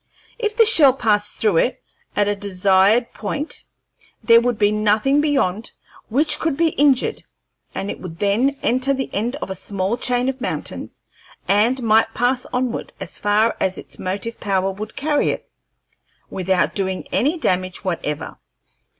If the shell passed through it at the desired point, there would be nothing beyond which could be injured, and it would then enter the end of a small chain of mountains, and might pass onward, as far as its motive power would carry it, without doing any damage whatever.